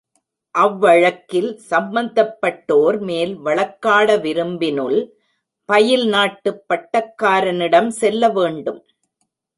அவ்வழக்கில் சம்பந்தப்பட்டோர் மேல் வழக் காட விரும்பினுல், பயில் நாட்டுப் பட்டக்காரனிடம் செல்ல வேண்டும்.